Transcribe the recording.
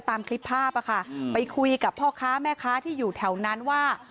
ตามคลิปภาพไปคุยกับพ่อค้าแม่ค้าที่อยู่แถวนั้นว่า